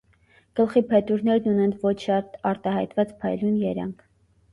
Գլխի փետուրներն ունեն ոչ շատ արտահայտված փայլուն երանգ։